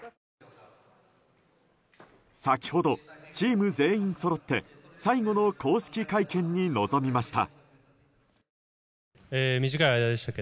先ほどチーム全員そろって最後の公式会見に臨みました。